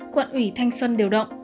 quận ủy thanh xuân điều động